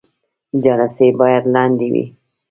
جلسې باید لنډې وي